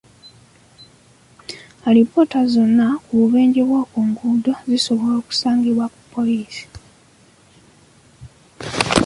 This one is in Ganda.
Alipoota zonna ku bubenje bw'oku nguudo zisobola okusangibwa ku poliisi.